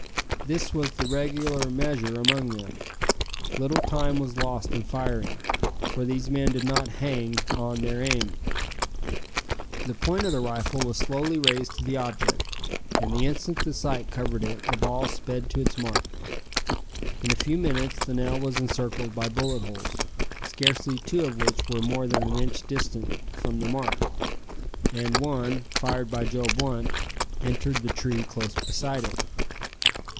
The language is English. This was the regular measure among them. Little time was lost in firing, for these men did not "hang" on their aim. The point of the rifle was slowly raised to the object, and the instant the sight covered it the ball sped to its mark. In a few minutes the nail was encircled by bullet holes, scarcely two of which were more than an inch distant from the mark, and one fired by Joe Blunt entered the tree close beside it.